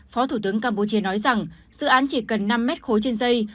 phó thủ tướng campuchia nói rằng dự án chỉ cần năm m ba trên dây